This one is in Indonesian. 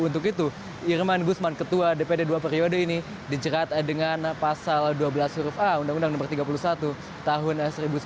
untuk itu irman gusman ketua dpd dua periode ini dijerat dengan pasal dua belas huruf a undang undang no tiga puluh satu tahun seribu sembilan ratus sembilan puluh